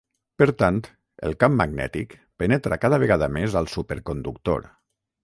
Per tant, el camp magnètic penetra cada vegada més al superconductor.